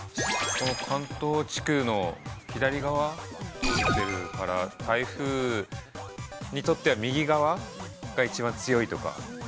◆関東地区の左側に行っているから、台風にとっては、右側が一番強いとか。